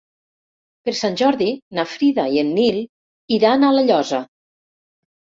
Per Sant Jordi na Frida i en Nil iran a La Llosa.